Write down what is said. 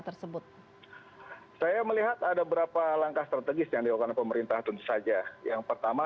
tersebut saya melihat ada berapa langkah strategis yang dilakukan pemerintah tentu saja yang pertama